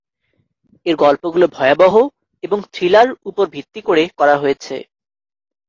এর গল্পগুলো ভয়াবহ এবং থ্রিলার উপর ভিত্তি করে করা হয়েছে।